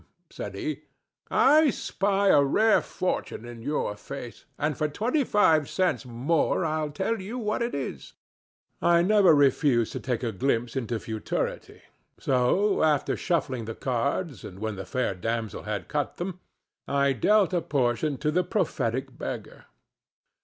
said he; "I spy a rare fortune in your face, and for twenty five cents more I'll tell you what it is." I never refuse to take a glimpse into futurity; so, after shuffling the cards and when the fair damsel had cut them, I dealt a portion to the prophetic beggar.